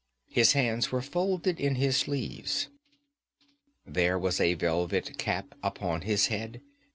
His hands were folded in his sleeves. There was a velvet cap upon his head.